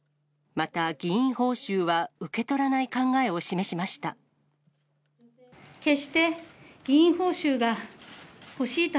また議員報酬は受け取らない考えを示しました。